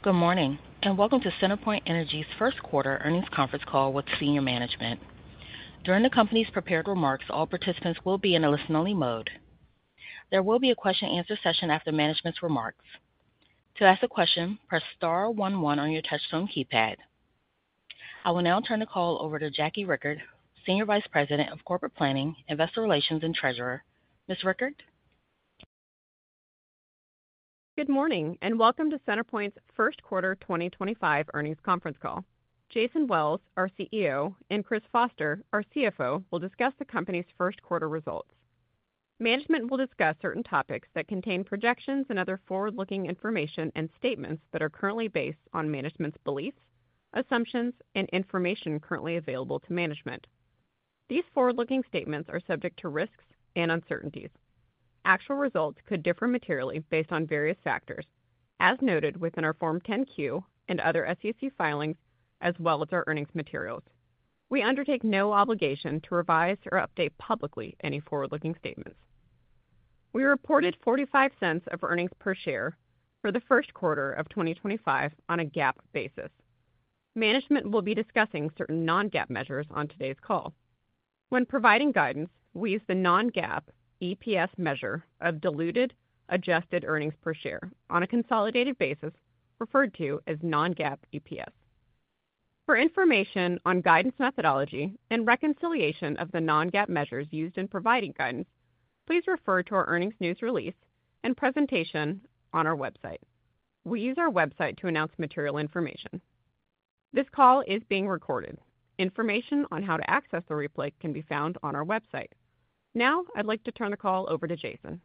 Good morning and welcome to CenterPoint Energy's First Quarter Earnings Conference Call with senior management. During the company's prepared remarks, all participants will be in a listen-only mode. There will be a question-and-answer session after management's remarks. To ask a question, press star one one on your touchstone keypad. I will now turn the call over to Jackie Richert, Senior Vice President of Corporate Planning, Investor Relations, and Treasurer. Ms. Richert? Good morning and welcome to CenterPoint's First Quarter 2025 Earnings Conference Call. Jason Wells, our CEO, and Chris Foster, our CFO, will discuss the company's first quarter results. Management will discuss certain topics that contain projections and other forward-looking information and statements that are currently based on management's beliefs, assumptions, and information currently available to management. These forward-looking statements are subject to risks and uncertainties. Actual results could differ materially based on various factors, as noted within our Form 10-Q and other SEC filings, as well as our earnings materials. We undertake no obligation to revise or update publicly any forward-looking statements. We reported $0.45 of earnings per share for the first quarter of 2025 on a GAAP basis. Management will be discussing certain non-GAAP measures on today's call. When providing guidance, we use the non-GAAP EPS measure of Diluted Adjusted Earnings per Share on a consolidated basis referred to as non-GAAP EPS. For information on guidance methodology and reconciliation of the non-GAAP measures used in providing guidance, please refer to our earnings news release and presentation on our website. We use our website to announce material information. This call is being recorded. Information on how to access the replay can be found on our website. Now, I'd like to turn the call over to Jason.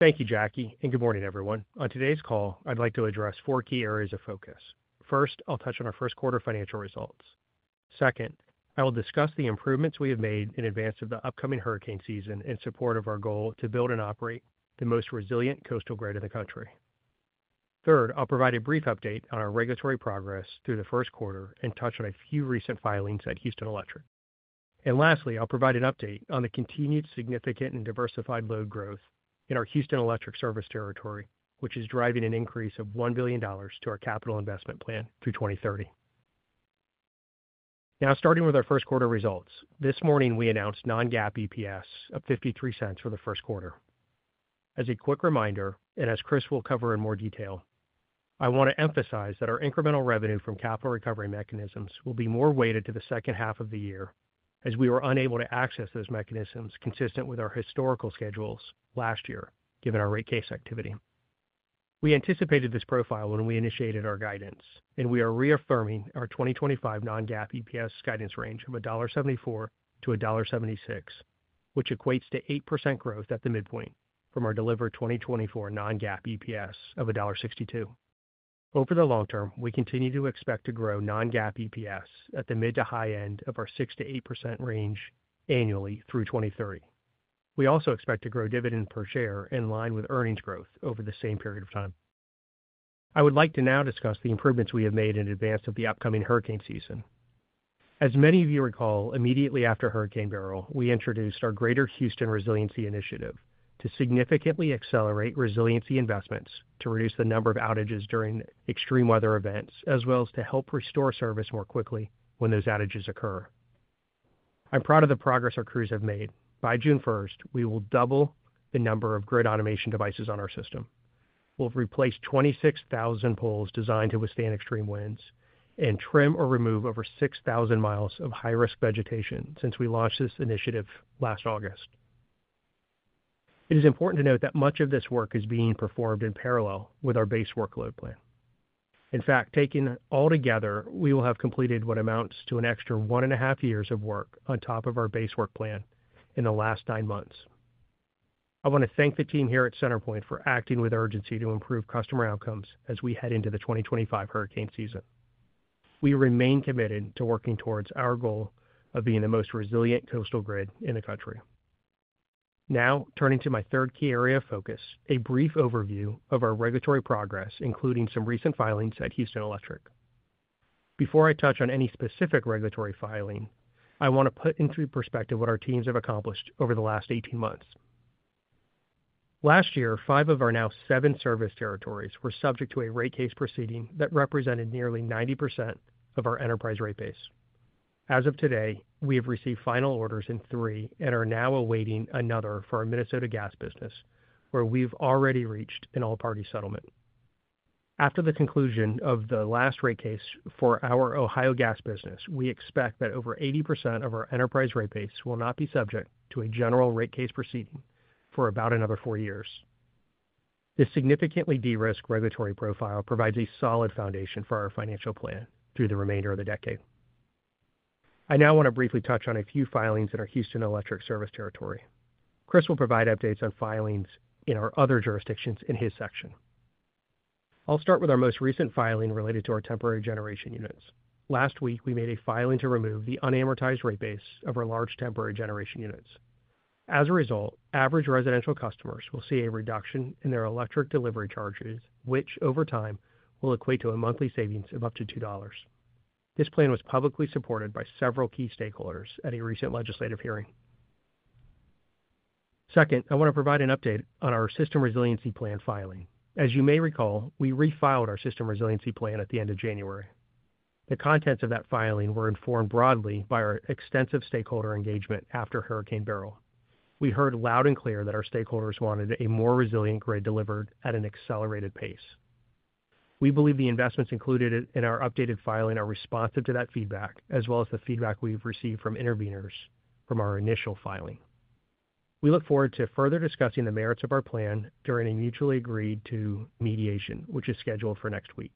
Thank you, Jackie, and good morning, everyone. On today's call, I'd like to address four key areas of focus. First, I'll touch on our first quarter financial results. Second, I will discuss the improvements we have made in advance of the upcoming hurricane season in support of our goal to build and operate the most resilient coastal grid in the country. Third, I'll provide a brief update on our regulatory progress through the first quarter and touch on a few recent filings at Houston Electric. Lastly, I'll provide an update on the continued significant and diversified load growth in our Houston Electric service territory, which is driving an increase of $1 billion to our Capital Investment Plan through 2030. Now, starting with our first quarter results, this morning we announced non-GAAP EPS of $0.53 for the first quarter. As a quick reminder, and as Chris will cover in more detail, I want to emphasize that our incremental revenue from capital recovery mechanisms will be more weighted to the second half of the year as we were unable to access those mechanisms consistent with our historical schedules last year given our rate case activity. We anticipated this profile when we initiated our guidance, and we are reaffirming our 2025 non-GAAP EPS guidance range of $1.74-$1.76, which equates to 8% growth at the midpoint from our delivered 2024 non-GAAP EPS of $1.62. Over the long term, we continue to expect to grow non-GAAP EPS at the mid to high end of our 6%-8% range annually through 2030. We also expect to grow dividend per share in line with earnings growth over the same period of time. I would like to now discuss the improvements we have made in advance of the upcoming hurricane season. As many of you recall, immediately after Hurricane Beryl, we introduced our Greater Houston Resiliency Initiative to significantly accelerate resiliency investments to reduce the number of outages during extreme weather events, as well as to help restore service more quickly when those outages occur. I'm proud of the progress our crews have made. By June 1st, we will double the number of grid automation devices on our system. We'll replace 26,000 poles designed to withstand extreme winds and trim or remove over 6,000 miles of high-risk vegetation since we launched this initiative last August. It is important to note that much of this work is being performed in parallel with our base workload plan. In fact, taken all together, we will have completed what amounts to an extra one and a half years of work on top of our base work plan in the last nine months. I want to thank the team here at CenterPoint for acting with urgency to improve customer outcomes as we head into the 2025 hurricane season. We remain committed to working towards our goal of being the most resilient coastal grid in the country. Now, turning to my third key area of focus, a brief overview of our regulatory progress, including some recent filings at Houston Electric. Before I touch on any specific regulatory filing, I want to put into perspective what our teams have accomplished over the last 18 months. Last year, five of our now seven service territories were subject to a rate case proceeding that represented nearly 90% of our enterprise rate base. As of today, we have received final orders in three and are now awaiting another for our Minnesota gas business, where we've already reached an all-party settlement. After the conclusion of the last rate case for our Ohio gas business, we expect that over 80% of our enterprise rate base will not be subject to a general rate case proceeding for about another four years. This significantly de-risked regulatory profile provides a solid foundation for our financial plan through the remainder of the decade. I now want to briefly touch on a few filings in our Houston Electric service territory. Chris will provide updates on filings in our other jurisdictions in his section. I'll start with our most recent filing related to our temporary generation units. Last week, we made a filing to remove the unamortized rate base of our large temporary generation units. As a result, average residential customers will see a reduction in their electric delivery charges, which over time will equate to a monthly savings of up to $2. This plan was publicly supported by several key stakeholders at a recent legislative hearing. Second, I want to provide an update on our system resiliency plan filing. As you may recall, we refiled our system resiliency plan at the end of January. The contents of that filing were informed broadly by our extensive stakeholder engagement after Hurricane Beryl. We heard loud and clear that our stakeholders wanted a more resilient grid delivered at an accelerated pace. We believe the investments included in our updated filing are responsive to that feedback, as well as the feedback we've received from interveners from our initial filing. We look forward to further discussing the merits of our plan during a mutually-agreed-to mediation, which is scheduled for next week.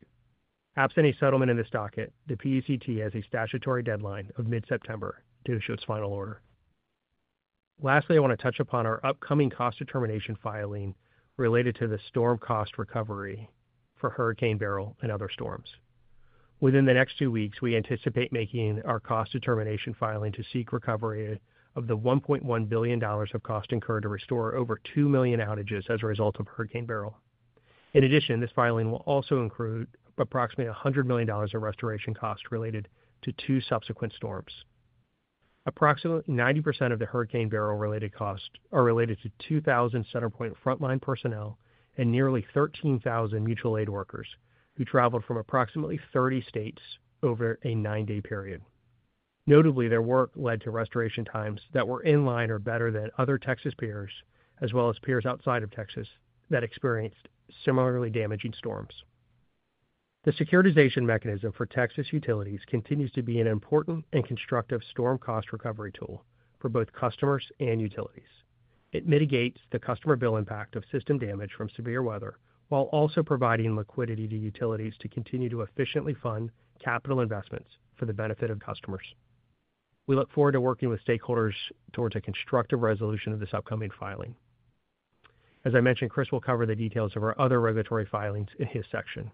Absent a settlement in this docket, the PUCT has a statutory deadline of mid-September to issue its final order. Lastly, I want to touch upon our upcoming cost determination filing related to the storm cost recovery for Hurricane Beryl and other storms. Within the next two weeks, we anticipate making our cost determination filing to seek recovery of the $1.1 billion of cost incurred to restore over 2 million outages as a result of Hurricane Beryl. In addition, this filing will also include approximately $100 million of restoration costs related to two subsequent storms. Approximately 90% of the Hurricane Beryl-related costs are related to 2,000 CenterPoint frontline personnel and nearly 13,000 mutual aid workers who traveled from approximately 30 states over a nine-day period. Notably, their work led to restoration times that were in line or better than other Texas peers, as well as peers outside of Texas that experienced similarly damaging storms. The securitization mechanism for Texas utilities continues to be an important and constructive storm cost recovery tool for both customers and utilities. It mitigates the customer bill impact of system damage from severe weather while also providing liquidity to utilities to continue to efficiently fund capital investments for the benefit of customers. We look forward to working with stakeholders towards a constructive resolution of this upcoming filing. As I mentioned, Chris will cover the details of our other regulatory filings in his section.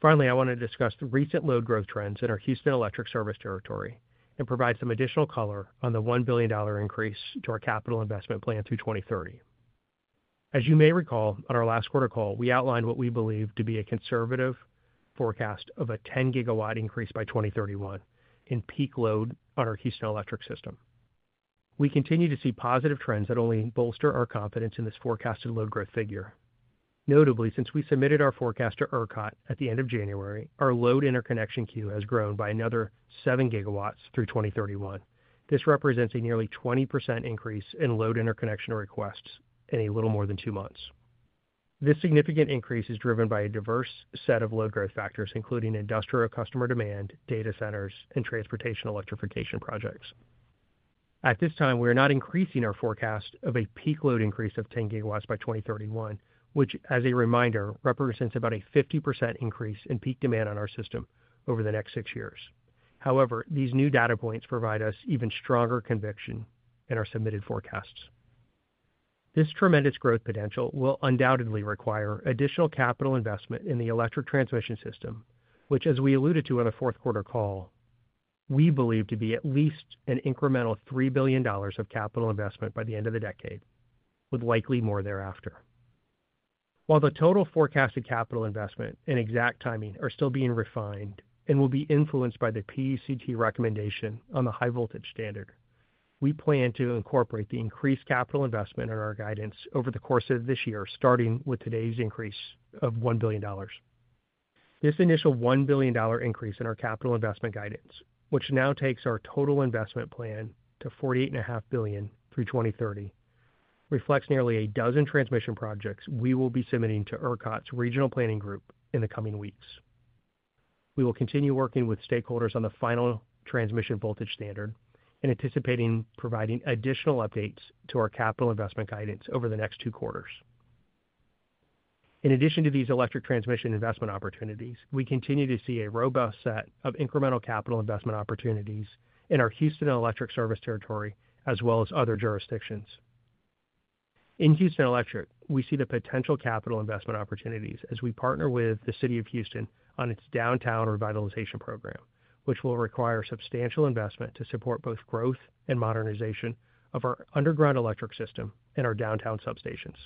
Finally, I want to discuss the recent load growth trends in our Houston Electric service territory and provide some additional color on the $1 billion increase to our Capital Investment Plan through 2030. As you may recall, on our last quarter call, we outlined what we believe to be a conservative forecast of a 10 GW increase by 2031 in peak load on our Houston Electric system. We continue to see positive trends that only bolster our confidence in this forecasted load growth figure. Notably, since we submitted our forecast to ERCOT at the end of January, our load interconnection queue has grown by another 7 GWs through 2031. This represents a nearly 20% increase in load interconnection requests in a little more than two months. This significant increase is driven by a diverse set of load growth factors, including industrial customer demand, data centers, and transportation electrification projects. At this time, we are not increasing our forecast of a peak load increase of 10 GWs by 2031, which, as a reminder, represents about a 50% increase in peak demand on our system over the next six years. However, these new data points provide us even stronger conviction in our submitted forecasts. This tremendous growth potential will undoubtedly require additional capital investment in the electric transmission system, which, as we alluded to in the fourth quarter call, we believe to be at least an incremental $3 billion of capital investment by the end of the decade, with likely more thereafter. While the total forecasted capital investment and exact timing are still being refined and will be influenced by the PUCT recommendation on the high-voltage standard, we plan to incorporate the increased capital investment in our guidance over the course of this year, starting with today's increase of $1 billion. This initial $1 billion increase in our capital investment guidance, which now takes our total investment plan to $48.5 billion through 2030, reflects nearly a dozen transmission projects we will be submitting to ERCOT's regional planning group in the coming weeks. We will continue working with stakeholders on the final transmission voltage standard and anticipating providing additional updates to our capital investment guidance over the next two quarters. In addition to these electric transmission investment opportunities, we continue to see a robust set of incremental capital investment opportunities in our Houston Electric service territory, as well as other jurisdictions. In Houston Electric, we see the potential capital investment opportunities as we partner with the City of Houston on its downtown revitalization program, which will require substantial investment to support both growth and modernization of our underground electric system and our downtown substations.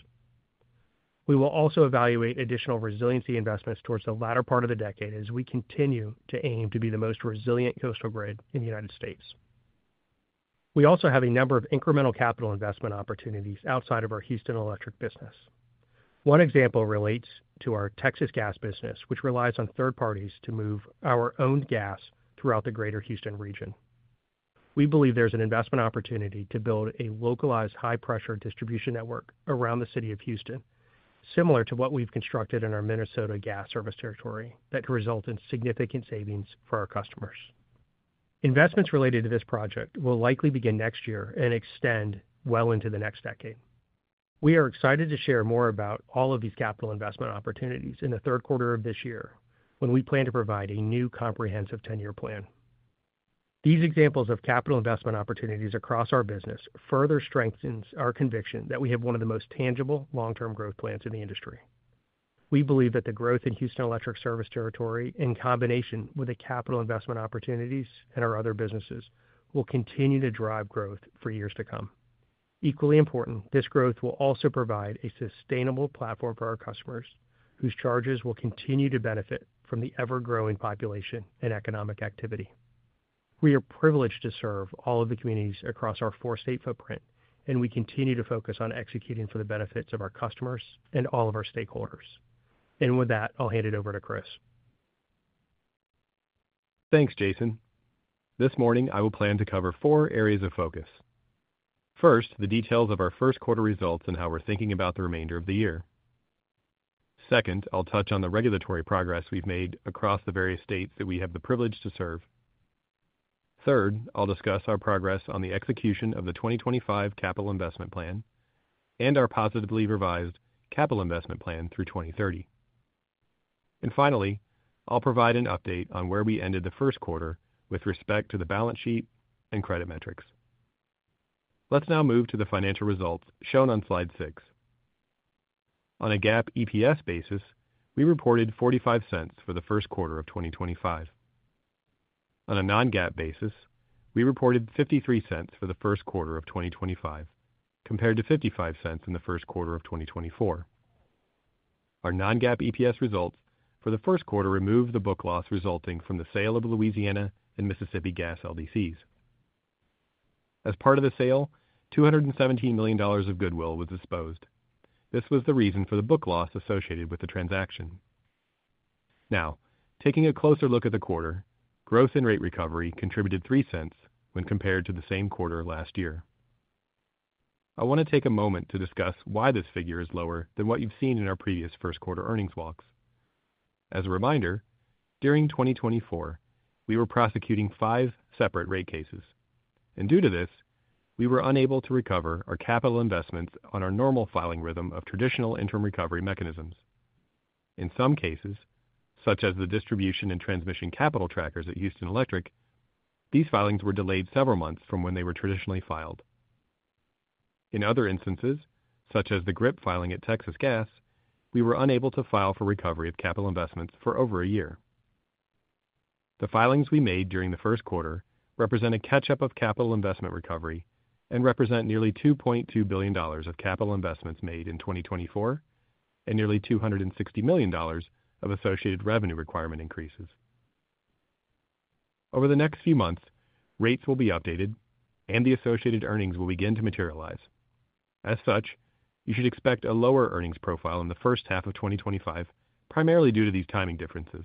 We will also evaluate additional resiliency investments towards the latter part of the decade as we continue to aim to be the most resilient coastal grid in the United States. We also have a number of incremental capital investment opportunities outside of our Houston Electric business. One example relates to our Texas Gas business, which relies on third parties to move our owned gas throughout the Greater Houston region. We believe there's an investment opportunity to build a localized high-pressure distribution network around the City of Houston, similar to what we've constructed in our Minnesota Gas service territory, that could result in significant savings for our customers. Investments related to this project will likely begin next year and extend well into the next decade. We are excited to share more about all of these capital investment opportunities in the third quarter of this year when we plan to provide a new comprehensive 10-year plan. These examples of capital investment opportunities across our business further strengthen our conviction that we have one of the most tangible long-term growth plans in the industry. We believe that the growth in Houston Electric service territory, in combination with the capital investment opportunities in our other businesses, will continue to drive growth for years to come. Equally important, this growth will also provide a sustainable platform for our customers, whose charges will continue to benefit from the ever-growing population and economic activity. We are privileged to serve all of the communities across our four-state footprint, and we continue to focus on executing for the benefits of our customers and all of our stakeholders. With that, I'll hand it over to Chris. Thanks, Jason. This morning, I will plan to cover four areas of focus. First, the details of our first quarter results and how we're thinking about the remainder of the year. Second, I'll touch on the regulatory progress we've made across the various states that we have the privilege to serve. Third, I'll discuss our progress on the execution of the 2025 Capital Investment Plan and our positively revised Capital Investment Plan through 2030. Finally, I'll provide an update on where we ended the first quarter with respect to the balance sheet and credit metrics. Let's now move to the financial results shown on slide six. On a GAAP EPS basis, we reported $0.45 for the first quarter of 2025. On a non-GAAP basis, we reported $0.53 for the first quarter of 2025, compared to $0.55 in the first quarter of 2024. Our non-GAAP EPS results for the first quarter removed the book loss resulting from the sale of Louisiana and Mississippi gas LDCs. As part of the sale, $217 million of goodwill was disposed. This was the reason for the book loss associated with the transaction. Now, taking a closer look at the quarter, growth in rate recovery contributed $0.03 when compared to the same quarter last year. I want to take a moment to discuss why this figure is lower than what you've seen in our previous first quarter earnings walks. As a reminder, during 2024, we were prosecuting five separate rate cases. Due to this, we were unable to recover our capital investments on our normal filing rhythm of traditional interim recovery mechanisms. In some cases, such as the distribution and transmission capital trackers at Houston Electric, these filings were delayed several months from when they were traditionally filed. In other instances, such as the GRIP filing at Texas Gas, we were unable to file for recovery of capital investments for over a year. The filings we made during the first quarter represent a catch-up of capital investment recovery and represent nearly $2.2 billion of capital investments made in 2024 and nearly $260 million of associated revenue requirement increases. Over the next few months, rates will be updated and the associated earnings will begin to materialize. As such, you should expect a lower earnings profile in the first half of 2025, primarily due to these timing differences.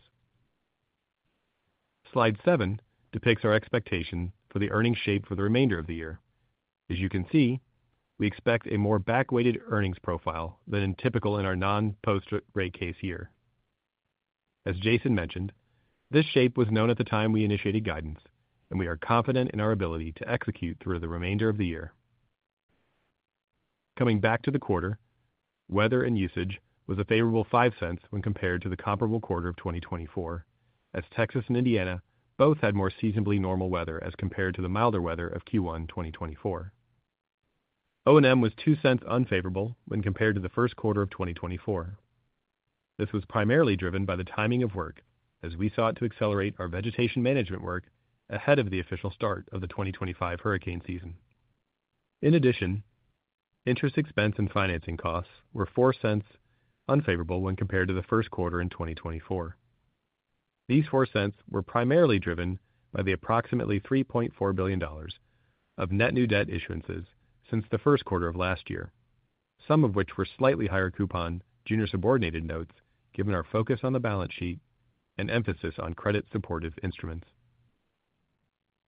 Slide seven depicts our expectation for the earnings shape for the remainder of the year. As you can see, we expect a more back-weighted earnings profile than typical in our non-post-rate case year. As Jason mentioned, this shape was known at the time we initiated guidance, and we are confident in our ability to execute through the remainder of the year. Coming back to the quarter, weather and usage was a favorable $0.05 when compared to the comparable quarter of 2024, as Texas and Indiana both had more seasonably normal weather as compared to the milder weather of Q1 2024. O&M was $0.02 unfavorable when compared to the first quarter of 2024. This was primarily driven by the timing of work as we sought to accelerate our vegetation management work ahead of the official start of the 2025 hurricane season. In addition, interest expense and financing costs were $0.04 unfavorable when compared to the first quarter in 2024. These $0.04 were primarily driven by the approximately $3.4 billion of net new debt issuances since the first quarter of last year, some of which were slightly higher coupon junior subordinated notes, given our focus on the balance sheet and emphasis on credit-supportive instruments.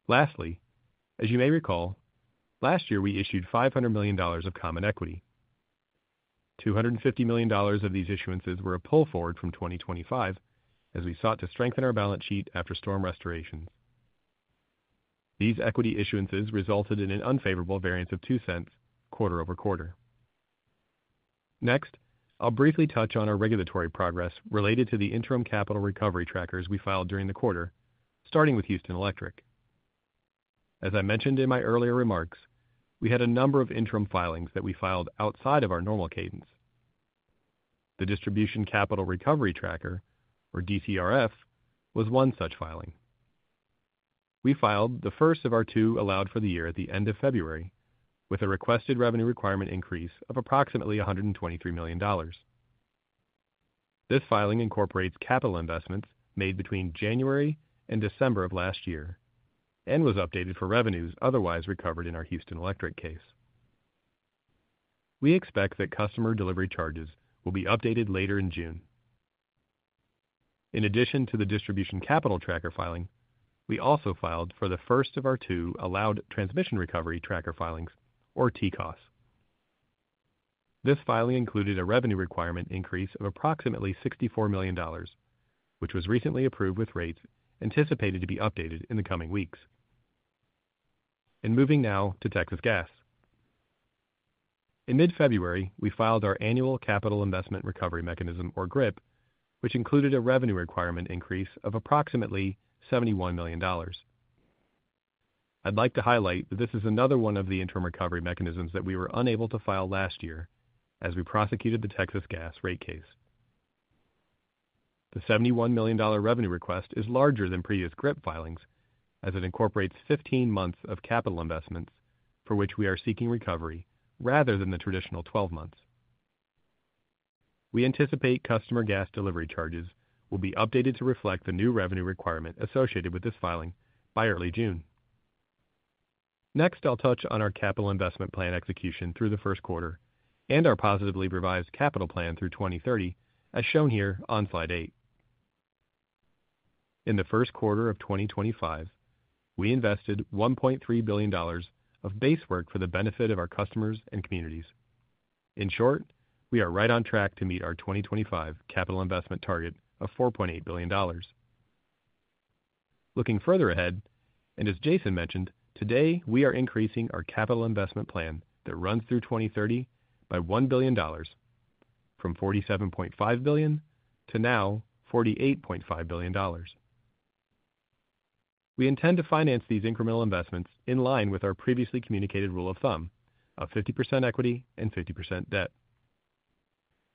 Lastly, as you may recall, last year we issued $500 million of common equity. $250 million of these issuances were a pull forward from 2025 as we sought to strengthen our balance sheet after storm restorations. These equity issuances resulted in an unfavorable variance of $0.02 quarter over quarter. Next, I'll briefly touch on our regulatory progress related to the interim capital recovery trackers we filed during the quarter, starting with Houston Electric. As I mentioned in my earlier remarks, we had a number of interim filings that we filed outside of our normal cadence. The distribution capital recovery tracker, or DCRF, was one such filing. We filed the first of our two allowed for the year at the end of February with a requested revenue requirement increase of approximately $123 million. This filing incorporates capital investments made between January and December of last year and was updated for revenues otherwise recovered in our Houston Electric case. We expect that customer delivery charges will be updated later in June. In addition to the distribution capital tracker filing, we also filed for the first of our two allowed transmission recovery tracker filings, or TCOS. This filing included a revenue requirement increase of approximately $64 million, which was recently approved with rates anticipated to be updated in the coming weeks. Moving now to Texas Gas. In mid-February, we filed our annual capital investment recovery mechanism, or GRIP, which included a revenue requirement increase of approximately $71 million. I'd like to highlight that this is another one of the interim recovery mechanisms that we were unable to file last year as we prosecuted the Texas Gas rate case. The $71 million revenue request is larger than previous GRIP filings as it incorporates 15 months of capital investments for which we are seeking recovery rather than the traditional 12 months. We anticipate customer gas delivery charges will be updated to reflect the new revenue requirement associated with this filing by early June. Next, I'll touch on our Capital Investment Plan execution through the first quarter and our positively revised capital plan through 2030, as shown here on slide eight. In the first quarter of 2025, we invested $1.3 billion of base work for the benefit of our customers and communities. In short, we are right on track to meet our 2025 capital investment target of $4.8 billion. Looking further ahead, and as Jason mentioned, today we are increasing our Capital Investment Plan that runs through 2030 by $1 billion from $47.5 billion to now $48.5 billion. We intend to finance these incremental investments in line with our previously communicated rule-of-thumb of 50% equity and 50% debt.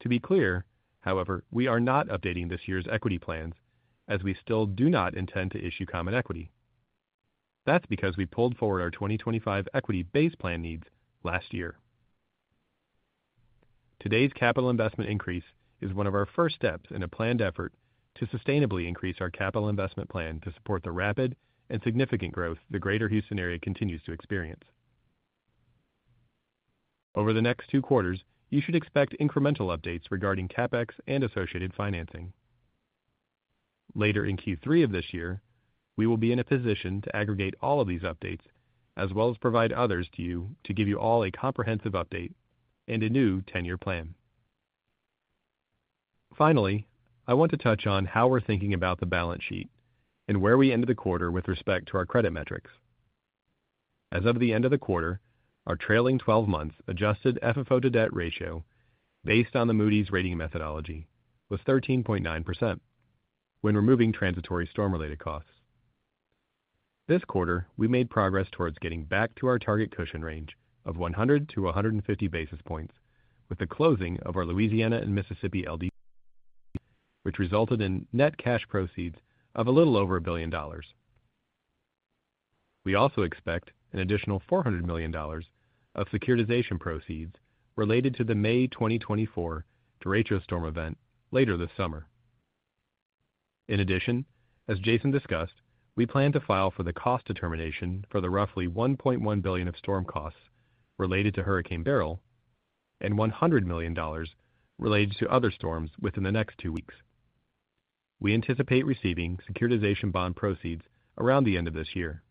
To be clear, however, we are not updating this year's equity plans as we still do not intend to issue common equity. That's because we pulled forward our 2025 equity base plan needs last year. Today's capital investment increase is one of our first steps in a planned effort to sustainably increase our Capital Investment Plan to support the rapid and significant growth the Greater Houston area continues to experience. Over the next two quarters, you should expect incremental updates regarding CapEx and associated financing. Later in Q3 of this year, we will be in a position to aggregate all of these updates as well as provide others to you to give you all a comprehensive update and a new 10-year plan. Finally, I want to touch on how we're thinking about the balance sheet and where we ended the quarter with respect to our credit metrics. As of the end of the quarter, our trailing 12 months adjusted FFO to debt ratio based on the Moody's rating methodology was 13.9% when removing transitory storm-related costs. This quarter, we made progress towards getting back to our target cushion range of 100 to 150 basis points with the closing of our Louisiana and Mississippi LDCs, which resulted in net cash proceeds of a little over $1 billion. We also expect an additional $400 million of securitization proceeds related to the May 2024 Derecho storm event later this summer. In addition, as Jason discussed, we plan to file for the cost determination for the roughly $1.1 billion of storm costs related to Hurricane Beryl and $100 million related to other storms within the next two weeks. We anticipate receiving securitization bond proceeds around the end of this year.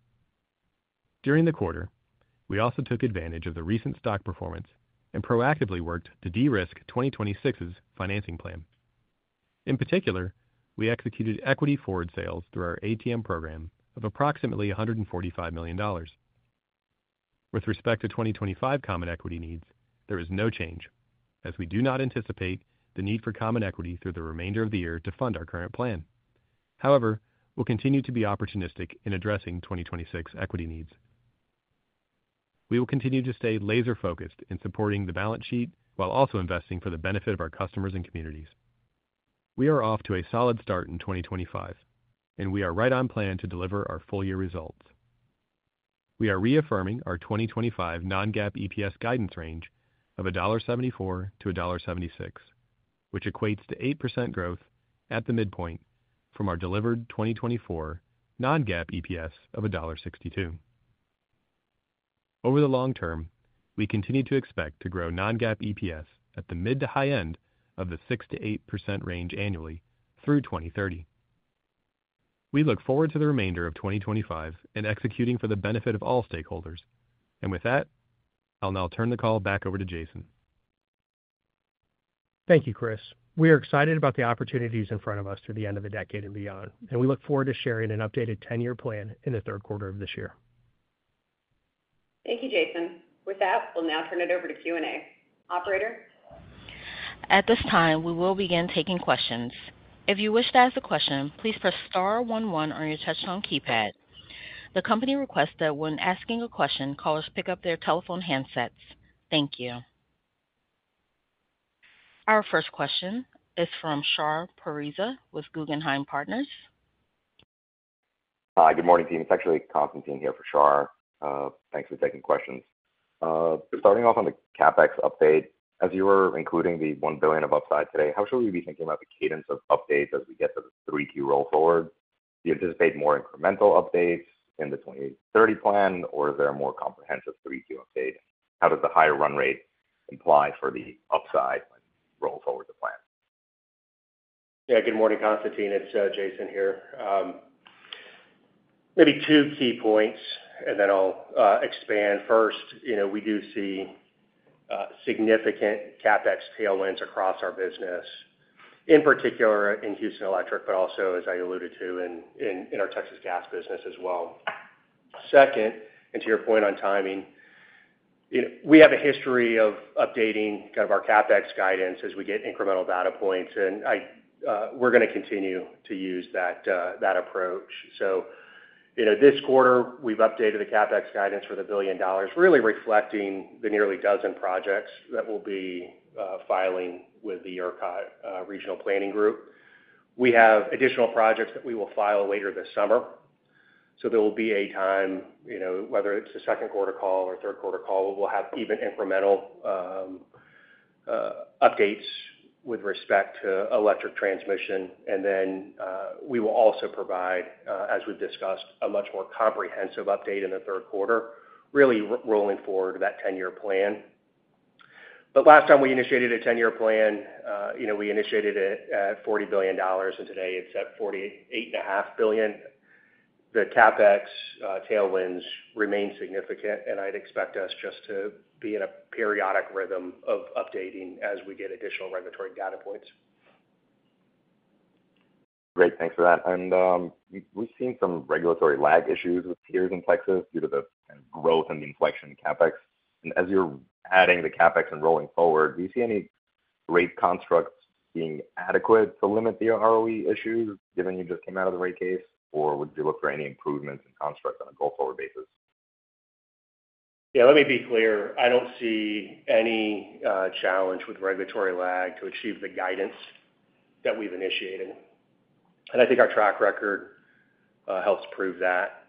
During the quarter, we also took advantage of the recent stock performance and proactively worked to de-risk 2026's financing plan. In particular, we executed equity forward sales through our ATM program of approximately $145 million. With respect to 2025 common equity needs, there is no change as we do not anticipate the need for common equity through the remainder of the year to fund our current plan. However, we'll continue to be opportunistic in addressing 2026 equity needs. We will continue to stay laser-focused in supporting the balance sheet while also investing for the benefit of our customers and communities. We are off to a solid start in 2025, and we are right on plan to deliver our full year results. We are reaffirming our 2025 non-GAAP EPS guidance range of $1.74-$1.76, which equates to 8% growth at the midpoint from our delivered 2024 non-GAAP EPS of $1.62. Over the long term, we continue to expect to grow non-GAAP EPS at the mid to high end of the 6-8% range annually through 2030. We look forward to the remainder of 2025 and executing for the benefit of all stakeholders. With that, I'll now turn the call back over to Jason. Thank you, Chris. We are excited about the opportunities in front of us through the end of the decade and beyond, and we look forward to sharing an updated 10-year plan in the third quarter of this year. Thank you, Jason. With that, we'll now turn it over to Q&A. Operator? At this time, we will begin taking questions. If you wish to ask a question, please press star one one on your touch-tone keypad. The company requests that when asking a question, callers pick up their telephone handsets. Thank you. Our first question is from Shar Pariza with Guggenheim Partners. Hi, good morning, team. It's actually Constantine here for Shar. Thanks for taking questions. Starting off on the CapEx update, as you were including the $1 billion of upside today, how should we be thinking about the cadence of updates as we get to the 3Q roll forward? Do you anticipate more incremental updates in the 2030 plan, or is there a more comprehensive 3Q update? How does the higher run rate imply for the upside when we roll forward the plan? Yeah, good morning, Constantine. It's Jason here. Maybe two key points, and then I'll expand. First, we do see significant CapEx tailwinds across our business, in particular in Houston Electric, but also, as I alluded to, in our Texas Gas business as well. Second, and to your point on timing, we have a history of updating kind of our CapEx guidance as we get incremental data points, and we're going to continue to use that approach. This quarter, we've updated the CapEx guidance for the billion dollars, really reflecting the nearly dozen projects that we'll be filing with the ERCOT Regional Planning Group. We have additional projects that we will file later this summer. There will be a time, whether it's a second quarter call or third quarter call, we will have even incremental updates with respect to electric transmission. We will also provide, as we've discussed, a much more comprehensive update in the third quarter, really rolling forward that 10-year plan. Last time we initiated a 10-year plan, we initiated it at $40 billion, and today it's at $48.5 billion. The CapEx tailwinds remain significant, and I'd expect us just to be in a periodic rhythm of updating as we get additional regulatory data points. Great. Thanks for that. We've seen some regulatory lag issues with tiers in Texas due to the growth and the inflection in CapEx. As you're adding the CapEx and rolling forward, do you see any rate constructs being adequate to limit the ROE issues, given you just came out of the rate case, or would you look for any improvements in construct on a go-forward basis? Let me be clear. I don't see any challenge with regulatory lag to achieve the guidance that we've initiated. I think our track record helps prove that.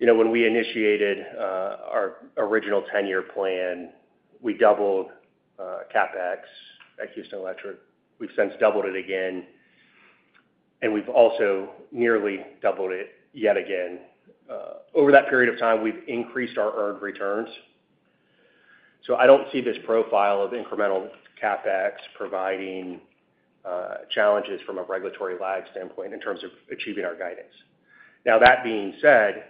When we initiated our original 10-year plan, we doubled CapEx at Houston Electric. We've since doubled it again, and we've also nearly doubled it yet again. Over that period of time, we've increased our earned returns. I do not see this profile of incremental CapEx providing challenges from a regulatory lag standpoint in terms of achieving our guidance. That being said,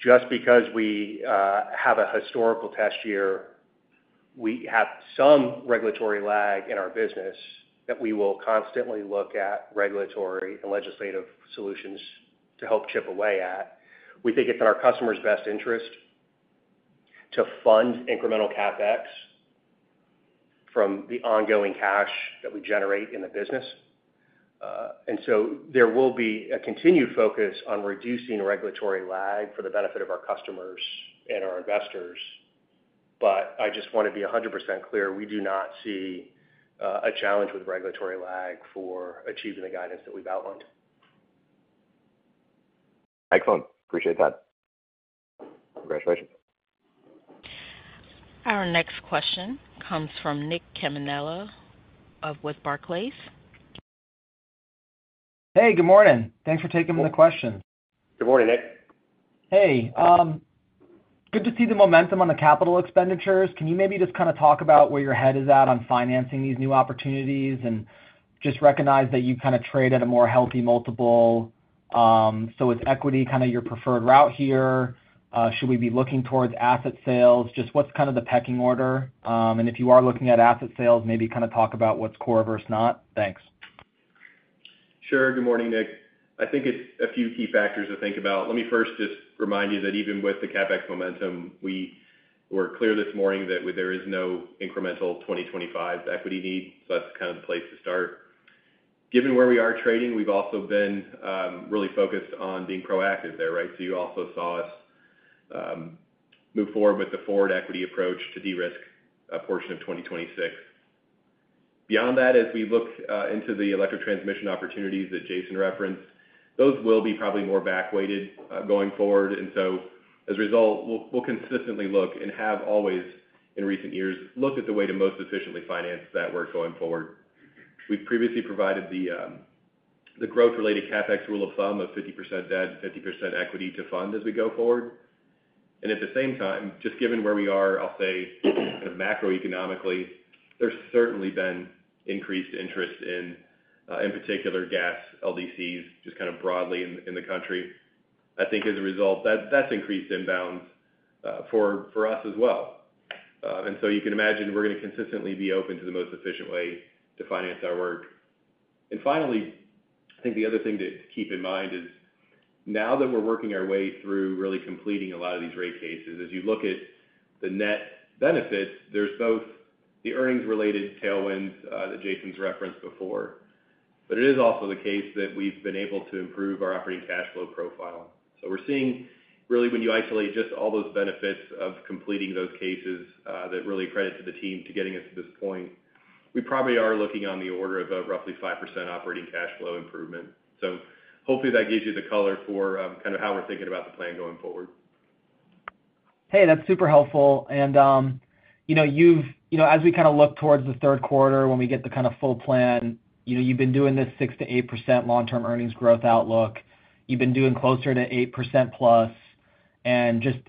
just because we have a historical test year, we have some regulatory lag in our business that we will constantly look at regulatory and legislative solutions to help chip away at. We think it is in our customers' best interest to fund incremental CapEx from the ongoing cash that we generate in the business. There will be a continued focus on reducing regulatory lag for the benefit of our customers and our investors. I just want to be 100% clear. We do not see a challenge with regulatory lag for achieving the guidance that we have outlined. Excellent. Appreciate that. Congratulations. Our next question comes from Nick Campanella with Barclays. Good morning. Thanks for taking the question. Good morning, Nick. Good to see the momentum on the capital expenditures. Can you maybe just kind of talk about where your head is at on financing these new opportunities and just recognize that you kind of trade at a more healthy multiple? Is equity kind of your preferred route here? Should we be looking towards asset sales? What is kind of the pecking order? If you are looking at asset sales, maybe kind of talk about what is core versus not. Thanks. Sure. Good morning, Nick. I think it is a few key factors to think about. Let me first just remind you that even with the CapEx momentum, we were clear this morning that there is no incremental 2025 equity need. That is kind of the place to start. Given where we are trading, we have also been really focused on being proactive there. You also saw us move forward with the forward equity approach to de-risk a portion of 2026. Beyond that, as we look into the electric transmission opportunities that Jason referenced, those will be probably more back-weighted going forward. As a result, we'll consistently look and have always in recent years looked at the way to most efficiently finance that work going forward. We've previously provided the growth-related CapEx rule-of-thumb of 50% debt and 50% equity to fund as we go forward. At the same time, just given where we are, I'll say kind of macroeconomically, there's certainly been increased interest in, in particular, gas LDCs just kind of broadly in the country. I think as a result, that's increased inbound for us as well. You can imagine we're going to consistently be open to the most efficient way to finance our work. Finally, I think the other thing to keep in mind is now that we're working our way through really completing a lot of these rate cases, as you look at the net benefits, there's both the earnings-related tailwinds that Jason's referenced before, but it is also the case that we've been able to improve our operating cash flow profile. We're seeing really when you isolate just all those benefits of completing those cases that really credit to the team to getting us to this point, we probably are looking on the order of a roughly 5% operating cash flow improvement. Hopefully that gives you the color for kind of how we're thinking about the plan going forward. That's super helpful. As we kind of look towards the third quarter when we get the kind of full plan, you've been doing this 6%-8% long-term earnings growth outlook. You've been doing closer to 8% plus.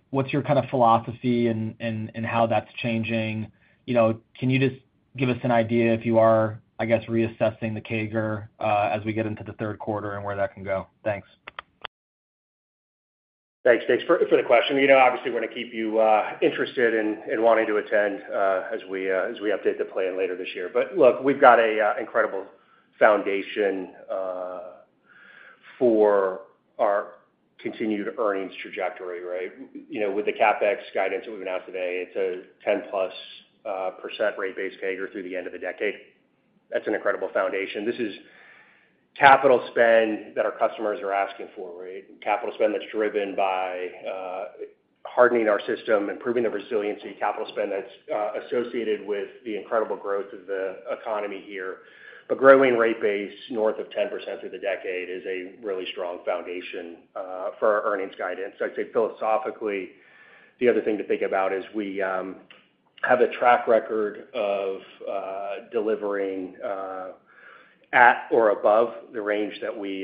What's your kind of philosophy and how that's changing? Can you just give us an idea if you are reassessing the CAGR as we get into the third quarter and where that can go? Thanks. Thanks for the question. Obviously, we want to keep you interested in wanting to attend as we update the plan later this year. We've got an incredible foundation for our continued earnings trajectory. With the CapEx guidance that we've announced today, it's a 10% plus rate-based CAGR through the end of the decade. That's an incredible foundation. This is capital spend that our customers are asking for. Capital spend that's driven by hardening our system, improving the resiliency, capital spend that's associated with the incredible growth of the economy here. Growing rate-based north of 10% through the decade is a really strong foundation for our earnings guidance. I'd say philosophically, the other thing to think about is we have a track record of delivering at or above the range that we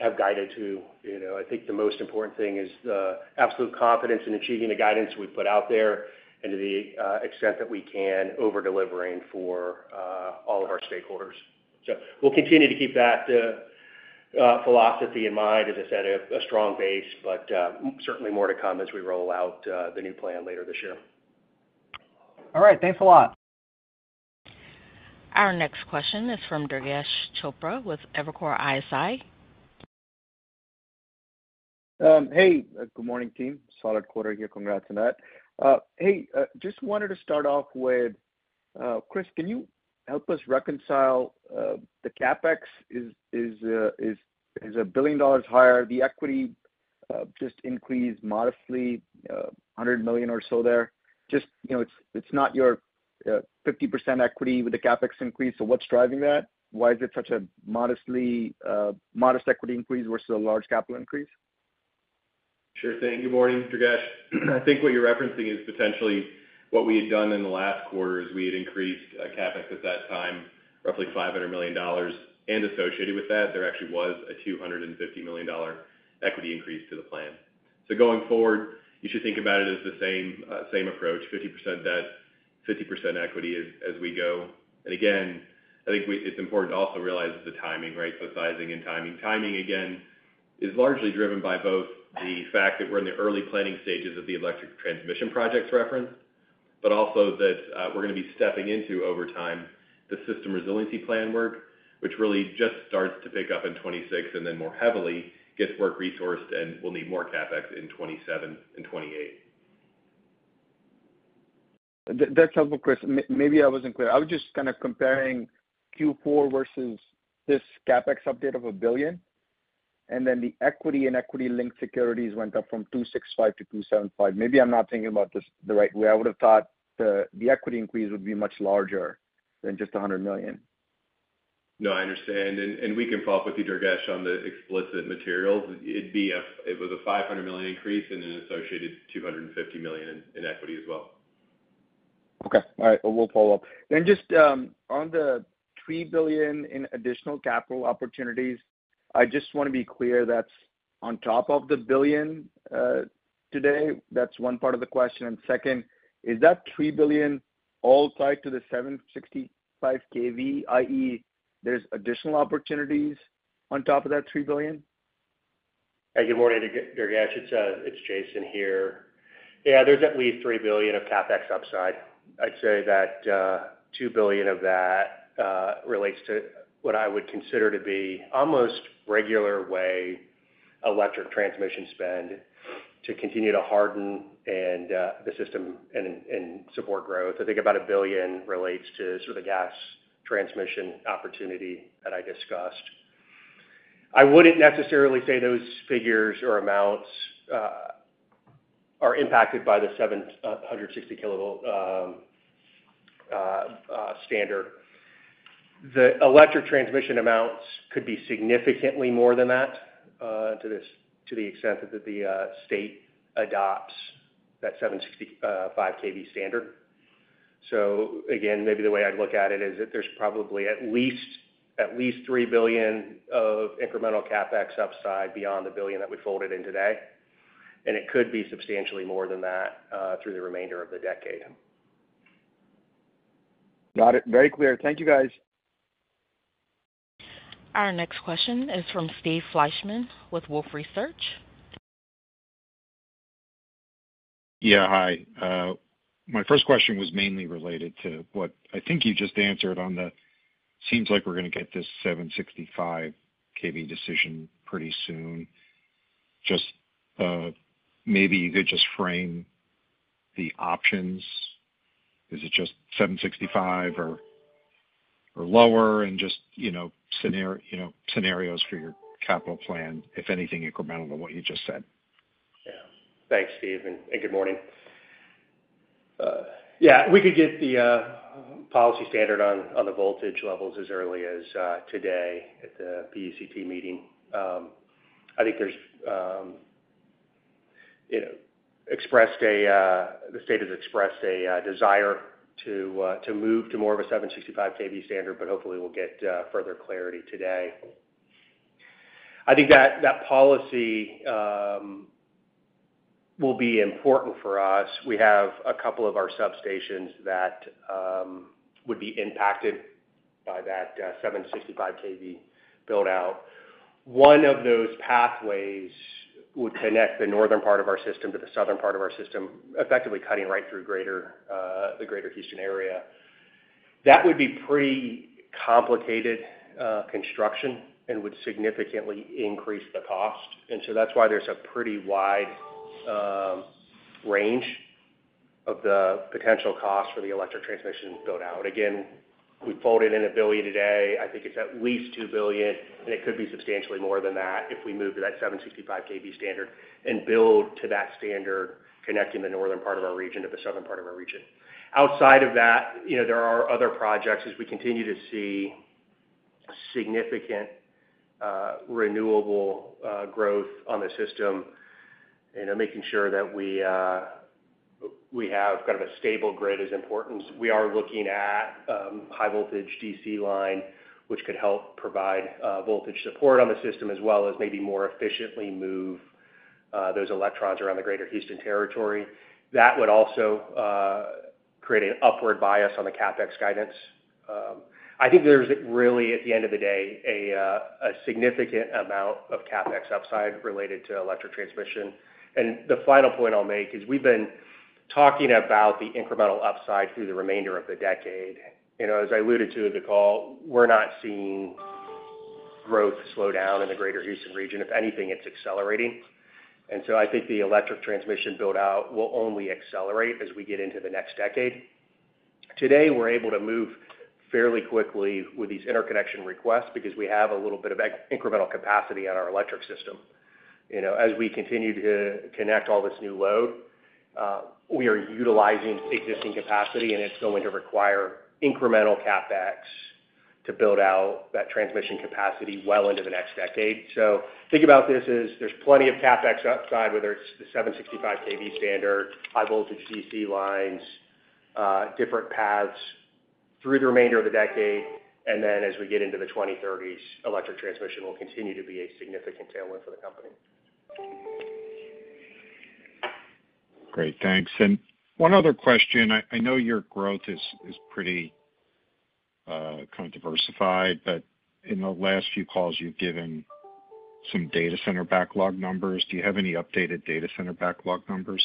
have guided to. I think the most important thing is the absolute confidence in achieving the guidance we've put out there and to the extent that we can over-delivering for all of our stakeholders. We'll continue to keep that philosophy in mind, as I said, a strong base, but certainly more to come as we roll out the new plan later this year. All right. Thanks a lot. Our next question is from Durgesh Chopra with Evercore ISI. Good morning, team. Solid quarter here. Congrats on that. Just wanted to start off with, Chris, can you help us reconcile the CapEx? Is a billion dollars higher? The equity just increased modestly, $100 million or so there? It's not your 50% equity with the CapEx increase. What's driving that? Why is it such a modest equity increase versus a large capital increase? Sure thing. Good morning, Durgesh. I think what you're referencing is potentially what we had done in the last quarter is we had increased CapEx at that time, roughly $500 million, and associated with that, there actually was a $250 million equity increase to the plan. Going forward, you should think about it as the same approach, 50% debt, 50% equity as we go. I think it's important to also realize the timing. Sizing and timing. Timing, again, is largely driven by both the fact that we're in the early planning stages of the electric transmission projects reference, but also that we're going to be stepping into over time the system resiliency plan work, which really just starts to pick up in 2026 and then more heavily gets work resourced and will need more CapEx in 2027 and 2028. That's helpful, Chris. Maybe I wasn't clear. I was just kind of comparing Q4 versus this CapEx update of $1 billion, and then the equity and equity-linked securities went up from $265 million to $275 million. Maybe I'm not thinking about this the right way. I would have thought the equity increase would be much larger than just $100 million. No, I understand. We can follow up with you, Durgesh, on the explicit materials. It was a $500 million increase and an associated $250 million in equity as well. All right. We'll follow up. Just on the $3 billion in additional capital opportunities, I just want to be clear that's on top of the $1 billion today. That's one part of the question. Second, is that $3 billion all tied to the 765 kV, i.e., there's additional opportunities on top of that $3 billion? Good morning, Durgesh. It's Jason here. There's at least $3 billion of CapEx upside. I'd say that $2 billion of that relates to what I would consider to be almost regular way electric transmission spend to continue to harden the system and support growth. I think about $1 billion relates to sort of the gas transmission opportunity that I discussed. I wouldn't necessarily say those figures or amounts are impacted by the 765 kV standard. The electric transmission amounts could be significantly more than that to the extent that the state adopts that 765 kV standard. Again, maybe the way I'd look at it is that there's probably at least $3 billion of incremental CapEx upside beyond the $1 billion that we folded in today. It could be substantially more than that through the remainder of the decade. Got it. Very clear. Thank you, guys. Our next question is from Steve Fleishman with Wolfe Research. Hi. My first question was mainly related to what I think you just answered on the seems like we're going to get this 765 kV decision pretty soon. Just maybe you could just frame the options. Is it just 765 or lower and just scenarios for your capital plan, if anything incremental than what you just said? Thanks, Steve. Good morning. We could get the policy standard on the voltage levels as early as today at the PUCT meeting. I think the state has expressed a desire to move to more of a 765 kV standard, but hopefully we'll get further clarity today. I think that policy will be important for us. We have a couple of our substations that would be impacted by that 765 kV buildout. One of those pathways would connect the northern part of our system to the southern part of our system, effectively cutting right through the Greater Houston area. That would be pretty complicated construction and would significantly increase the cost. That is why there's a pretty wide range of the potential cost for the electric transmission buildout. Again, we folded in a billion today. I think it's at least $2 billion, and it could be substantially more than that if we move to that 765 kV standard and build to that standard connecting the northern part of our region to the southern part of our region. Outside of that, there are other projects as we continue to see significant renewable growth on the system and making sure that we have kind of a stable grid is important. We are looking at high-voltage DC line, which could help provide voltage support on the system as well as maybe more efficiently move those electrons around the Greater Houston territory. That would also create an upward bias on the CapEx guidance. I think there's really, at the end of the day, a significant amount of CapEx upside related to electric transmission. The final point I'll make is we've been talking about the incremental upside through the remainder of the decade. As I alluded to in the call, we're not seeing growth slow down in the Greater Houston region. If anything, it's accelerating. I think the electric transmission buildout will only accelerate as we get into the next decade. Today, we're able to move fairly quickly with these interconnection requests because we have a little bit of incremental capacity on our electric system. As we continue to connect all this new load, we are utilizing existing capacity, and it's going to require incremental CapEx to build out that transmission capacity well into the next decade. Think about this as there's plenty of CapEx upside, whether it's the 765 kV standard, high-voltage DC lines, different paths through the remainder of the decade. As we get into the 2030s, electric transmission will continue to be a significant tailwind for the company. Great. Thanks. One other question. I know your growth is pretty diversified, but in the last few calls, you've given some data center backlog numbers. Do you have any updated data center backlog numbers?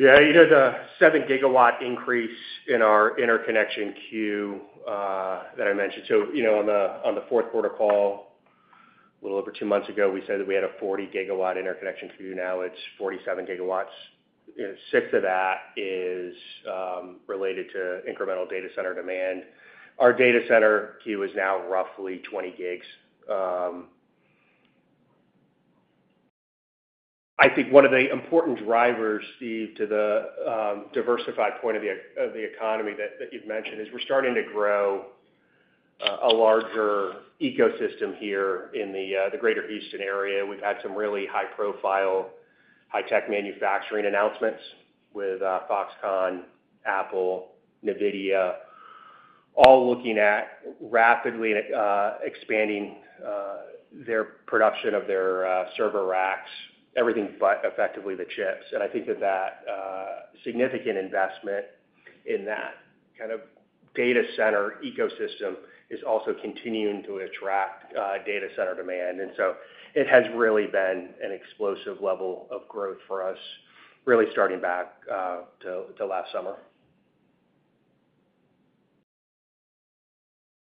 You heard a 7 GWt increase in our interconnection queue that I mentioned. On the fourth quarter call, a little over two months ago, we said that we had a 40 GW interconnection queue. Now it's 47 GWs. Six of that is related to incremental data center demand. Our data center queue is now roughly 20 GWs. I think one of the important drivers, Steve, to the diversified point of the economy that you've mentioned is we're starting to grow a larger ecosystem here in the Greater Houston area. We've had some really high-profile, high-tech manufacturing announcements with Foxconn, Apple, NVIDIA, all looking at rapidly expanding their production of their server racks, everything but effectively the chips. I think that that significant investment in that kind of data center ecosystem is also continuing to attract data center demand. It has really been an explosive level of growth for us, really starting back to last summer.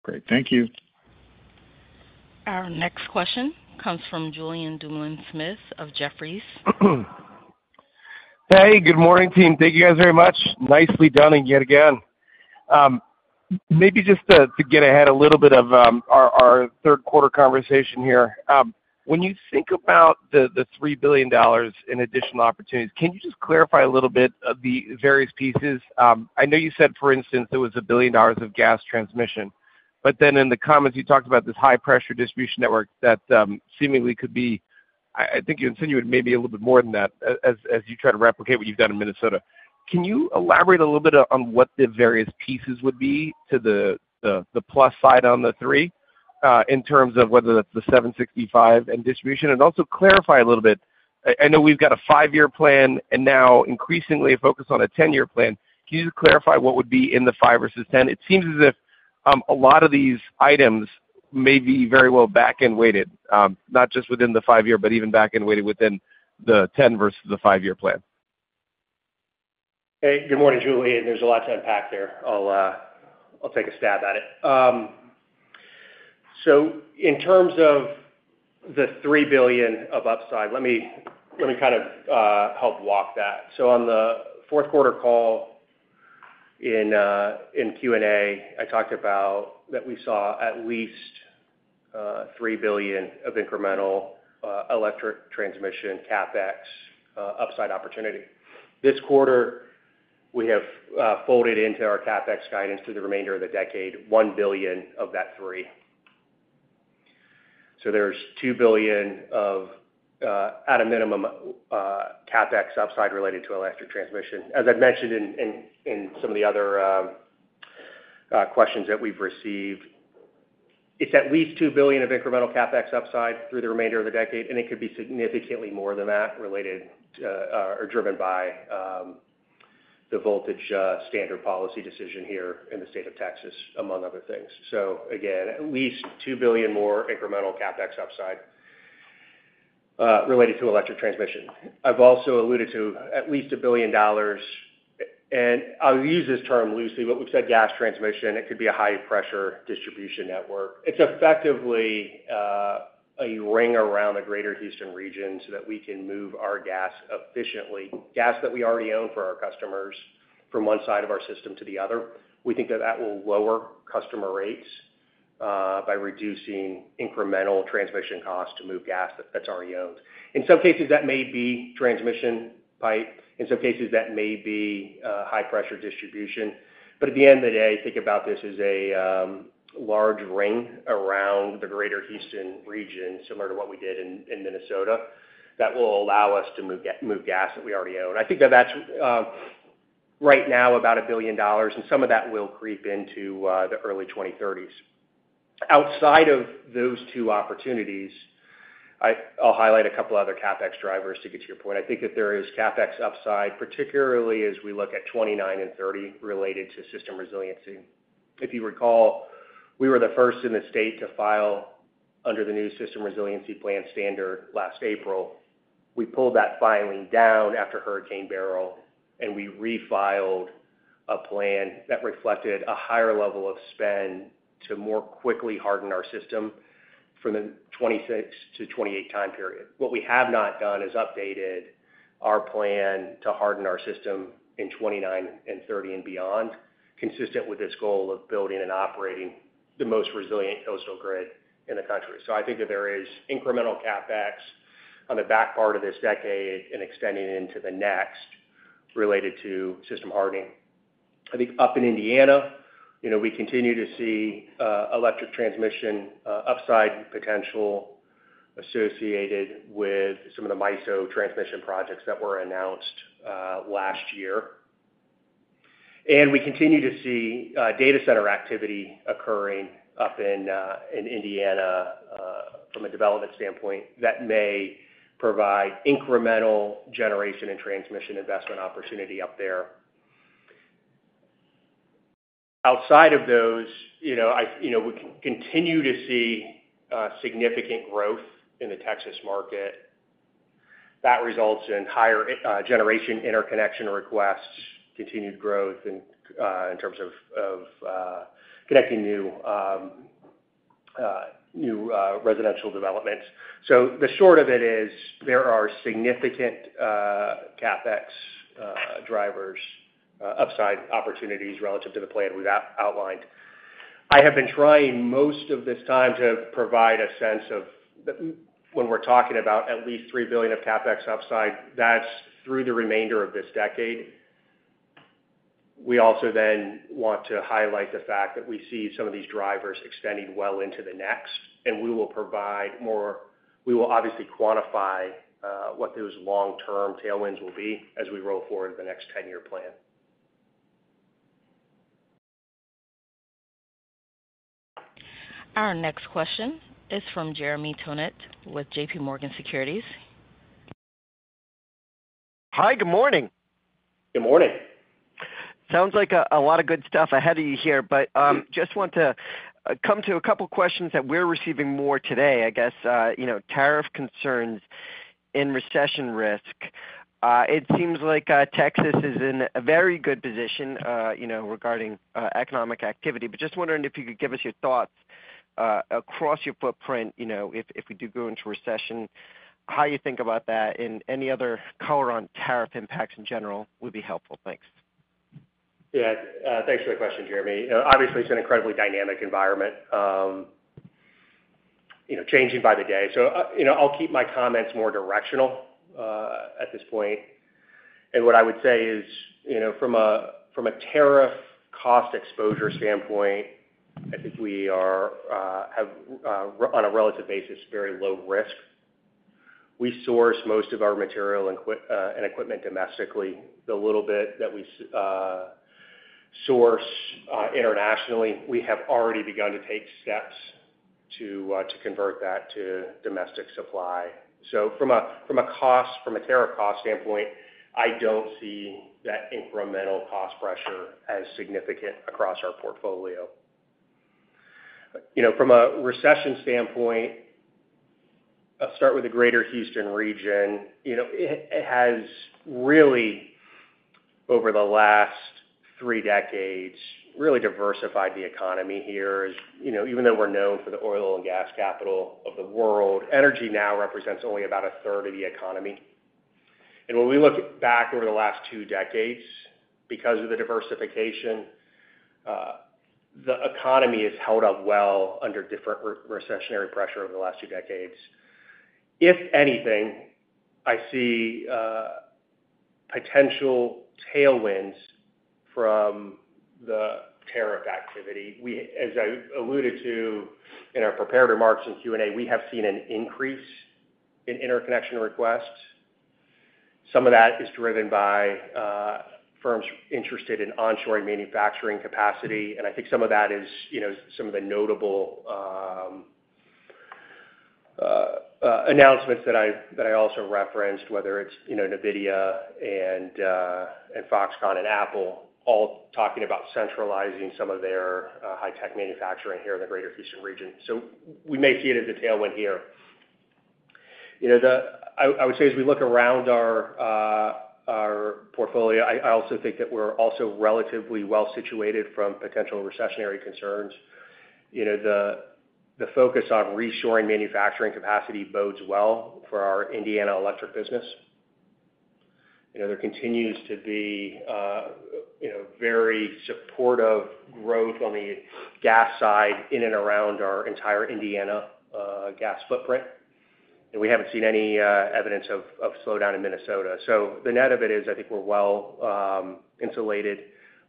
Great. Thank you. Our next question comes from Julien Dumoulin-Smith of Jefferies. Good morning, team. Thank you guys very much. Nicely done yet again. Maybe just to get ahead a little bit of our third quarter conversation here. When you think about the $3 billion in additional opportunities, can you just clarify a little bit of the various pieces? I know you said, for instance, it was a billion dollars of gas transmission. Then in the comments, you talked about this high-pressure distribution network that seemingly could be—I think you insinuated maybe a little bit more than that as you try to replicate what you've done in Minnesota. Can you elaborate a little bit on what the various pieces would be to the plus side on the three in terms of whether that's the 765 and distribution? Also clarify a little bit. I know we've got a five-year plan and now increasingly focused on a 10-year plan. Can you clarify what would be in the five versus 10? It seems as if a lot of these items may be very well backend-weighted, not just within the five-year, but even backend-weighted within the 10 versus the five-year plan. Good morning, Julian. There's a lot to unpack there. I'll take a stab at it. In terms of the $3 billion of upside, let me kind of help walk that. On the fourth quarter call in Q&A, I talked about that we saw at least $3 billion of incremental electric transmission CapEx upside opportunity. This quarter, we have folded into our CapEx guidance to the remainder of the decade $1 billion of that $3 billion. There's $2 billion of, at a minimum, CapEx upside related to electric transmission. As I've mentioned in some of the other questions that we've received, it's at least $2 billion of incremental CapEx upside through the remainder of the decade, and it could be significantly more than that related or driven by the voltage standard policy decision here in the state of Texas, among other things. Again, at least $2 billion more incremental CapEx upside related to electric transmission. I've also alluded to at least $1 billion, and I'll use this term loosely, but we've said gas transmission. It could be a high-pressure distribution network. It's effectively a ring around the Greater Houston region so that we can move our gas efficiently, gas that we already own for our customers from one side of our system to the other. We think that that will lower customer rates by reducing incremental transmission costs to move gas that's already owned. In some cases, that may be transmission pipe. In some cases, that may be high-pressure distribution. At the end of the day, think about this as a large ring around the greater Houston region, similar to what we did in Minnesota, that will allow us to move gas that we already own. I think that that's right now about $1 billion, and some of that will creep into the early 2030s. Outside of those two opportunities, I'll highlight a couple of other CapEx drivers to get to your point. I think that there is CapEx upside, particularly as we look at 2029 and 2030 related to system resiliency. If you recall, we were the first in the state to file under the new system resiliency plan standard last April. We pulled that filing down after Hurricane Beryl, and we refiled a plan that reflected a higher level of spend to more quickly harden our system from the 2026 to 2028 time period. What we have not done is updated our plan to harden our system in 2029 and 2030 and beyond, consistent with this goal of building and operating the most resilient coastal grid in the country. I think that there is incremental CapEx on the back part of this decade and extending into the next related to system hardening. I think up in Indiana, we continue to see electric transmission upside potential associated with some of the MISO transmission projects that were announced last year. We continue to see data center activity occurring up in Indiana from a development standpoint that may provide incremental generation and transmission investment opportunity up there. Outside of those, we continue to see significant growth in the Texas market. That results in higher generation interconnection requests, continued growth in terms of connecting new residential developments. The short of it is there are significant CapEx drivers, upside opportunities relative to the plan we've outlined. I have been trying most of this time to provide a sense of when we're talking about at least $3 billion of CapEx upside, that's through the remainder of this decade. We also then want to highlight the fact that we see some of these drivers extending well into the next, and we will provide more—we will obviously quantify what those long-term tailwinds will be as we roll forward the next 10-year plan. Our next question is from Jeremy Tonet with JPMorgan Securities. Hi. Good morning. Good morning. Sounds like a lot of good stuff ahead of you here, but just want to come to a couple of questions that we're receiving more today, I guess, tariff concerns and recession risk. It seems like Texas is in a very good position regarding economic activity, but just wondering if you could give us your thoughts across your footprint if we do go into recession, how you think about that, and any other color on tariff impacts in general would be helpful. Thanks. Thanks for the question, Jeremy. Obviously, it's an incredibly dynamic environment changing by the day. I'll keep my comments more directional at this point. What I would say is from a tariff cost exposure standpoint, I think we are, on a relative basis, very low risk. We source most of our material and equipment domestically. The little bit that we source internationally, we have already begun to take steps to convert that to domestic supply. From a cost, from a tariff cost standpoint, I do not see that incremental cost pressure as significant across our portfolio. From a recession standpoint, I'll start with the Greater Houston region. It has really, over the last three decades, really diversified the economy here. Even though we're known for the oil and gas capital of the world, energy now represents only about a third of the economy. When we look back over the last two decades, because of the diversification, the economy has held up well under different recessionary pressure over the last two decades. If anything, I see potential tailwinds from the tariff activity. As I alluded to in our prepared remarks in Q&A, we have seen an increase in interconnection requests. Some of that is driven by firms interested in onshoring manufacturing capacity. I think some of that is some of the notable announcements that I also referenced, whether it's NVIDIA and Foxconn and Apple all talking about centralizing some of their high-tech manufacturing here in the Greater Houston region. We may see it as a tailwind here. I would say as we look around our portfolio, I also think that we're also relatively well situated from potential recessionary concerns. The focus on reshoring manufacturing capacity bodes well for our Indiana electric business. There continues to be very supportive growth on the gas side in and around our entire Indiana gas footprint. We haven't seen any evidence of slowdown in Minnesota. The net of it is I think we're well insulated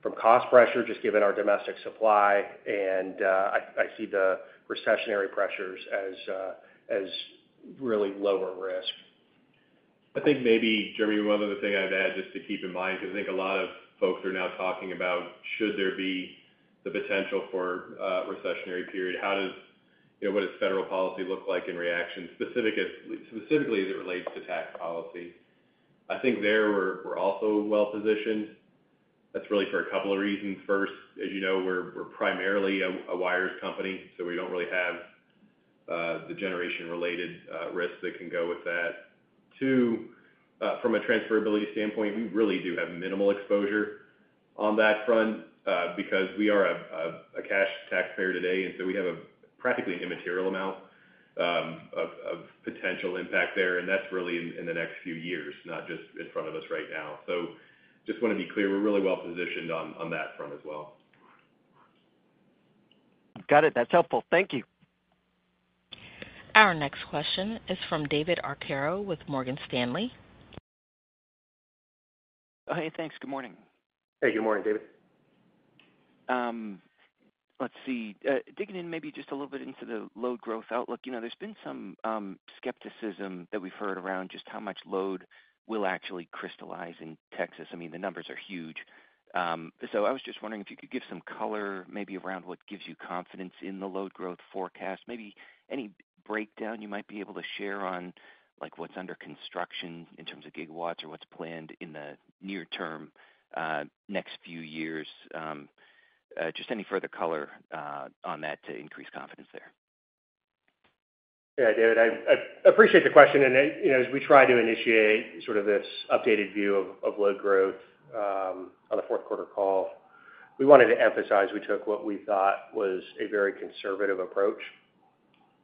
from cost pressure just given our domestic supply. I see the recessionary pressures as really lower risk. I think maybe, Jeremy, one other thing I'll add just to keep in mind because I think a lot of folks are now talking about should there be the potential for a recessionary period, what does federal policy look like in reaction, specifically as it relates to tax policy. I think there we're also well positioned. That's really for a couple of reasons. First, as you know, we're primarily a wires company, so we don't really have the generation-related risk that can go with that. Two, from a transferability standpoint, we really do have minimal exposure on that front because we are a cash taxpayer today. We have a practically immaterial amount of potential impact there. That's really in the next few years, not just in front of us right now. I just want to be clear, we're really well positioned on that front as well. Got it. That's helpful. Thank you. Our next question is from David Arcaro with Morgan Stanley. Thanks. Good morning. Good morning, David. Let's see. Digging in maybe just a little bit into the load growth outlook, there's been some skepticism that we've heard around just how much load will actually crystallize in Texas. I mean, the numbers are huge. I was just wondering if you could give some color maybe around what gives you confidence in the load growth forecast, maybe any breakdown you might be able to share on what's under construction in terms of GWs or what's planned in the near term next few years, just any further color on that to increase confidence there. David, I appreciate the question. As we try to initiate sort of this updated view of load growth on the fourth quarter call, we wanted to emphasize we took what we thought was a very conservative approach.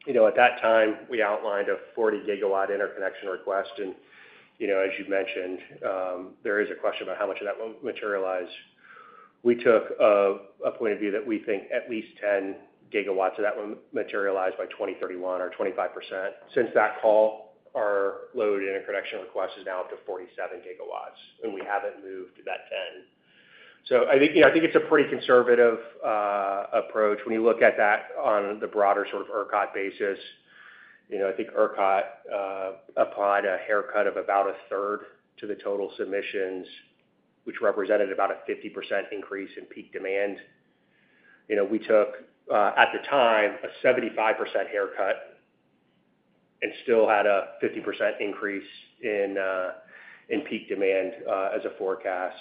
At that time, we outlined a 40 GW interconnection request. As you mentioned, there is a question about how much of that will materialize. We took a point of view that we think at least 10 GWs of that will materialize by 2031 or 25%. Since that call, our load interconnection request is now up to 47 GWs, and we haven't moved that 10. I think it's a pretty conservative approach. When you look at that on the broader sort of ERCOT basis, I think ERCOT applied a haircut of about a third to the total submissions, which represented about a 50% increase in peak demand. We took, at the time, a 75% haircut and still had a 50% increase in peak demand as a forecast